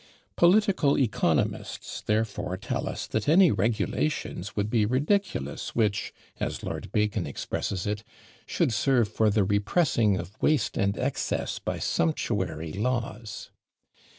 Political economists therefore tell us that any regulations would be ridiculous which, as Lord Bacon expresses it, should serve for "the repressing of waste and excess by sumptuary laws."